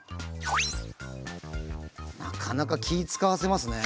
なかなか気遣わせますね。